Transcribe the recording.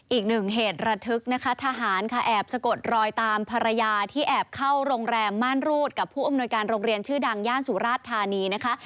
อีกหนึ่งเหตุระทึกนะคะทหารค่ะแอบสะกดรอยตามภรรยาที่แอบเข้าโรงแรมม่านรูดกับผู้อำนวยการโรงเรียนชื่อดังย่านสุราชธานีนะคะ